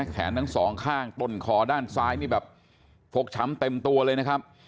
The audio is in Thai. แขนทั้งสองข้างต้นคอด้านซ้ายนี่แบบฟกช้ำเต็มตัวเลยนะครับ